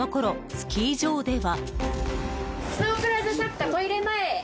スキー場では。